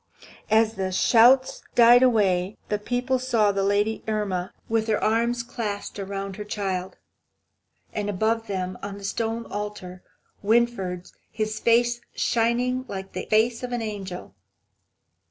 As the shout died away the people saw the lady Irma, with her arms clasped round her child, and above them, on the altar stone, Winfried, his face shining like the face of an angel.